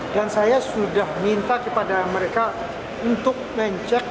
dan saya sudah minta kepada mereka untuk mengecek